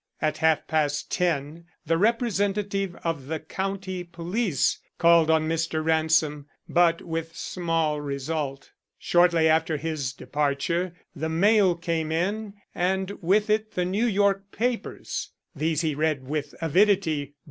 At half past ten the representative of the county police called on Mr. Ransom, but with small result. Shortly after his departure, the mail came in and with it the New York papers. These he read with avidity.